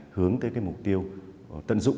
hướng tới cái mục tiêu tận dụng